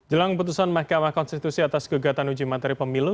jelang keputusan mahkamah konstitusi atas gegatan uji materi pemilu